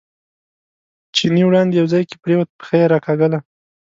چیني وړاندې یو ځای کې پرېوت، پښه یې راکاږله.